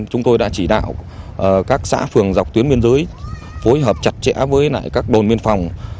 chúng tôi đã chỉ đạo các xã phường dọc tuyến biên giới phối hợp chặt chẽ với các đồn biên phòng